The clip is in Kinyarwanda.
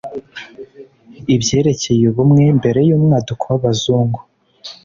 ibyerekeye ubumwe mbere y'umwaduko w'abazungu